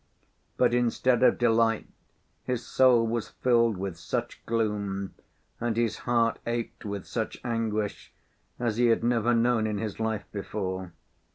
But instead of delight his soul was filled with such gloom, and his heart ached with such anguish, as he had never known in his life before.